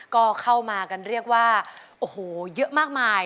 ก็เข้ามากันเรียกว่าโอ้โหเยอะมากมาย